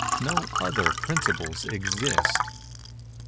_No other principles exist.